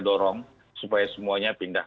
dorong supaya semuanya pindah